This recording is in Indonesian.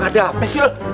gede apa sih lu